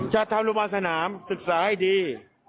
ชาติธรรมดาลบาลสนามศึกษาให้ดี